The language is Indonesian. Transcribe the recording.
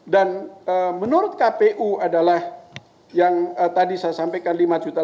dan menurut kpu adalah yang tadi saya sampaikan lima delapan ratus lima puluh delapan tujuh ratus tujuh puluh tujuh